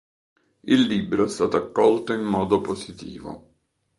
Il libro è stato accolto in modo positivo.